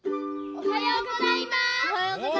おはようございます。